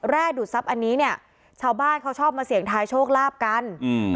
ดูดทรัพย์อันนี้เนี่ยชาวบ้านเขาชอบมาเสี่ยงทายโชคลาภกันอืม